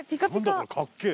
これ。かっけえ！